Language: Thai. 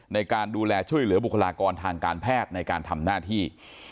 ในการดูแลช่วยเหลือบุคลากรทางการแพทย์ในการทำหน้าที่